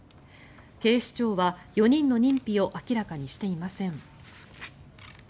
警視庁は４人の認否を明らかにしていません。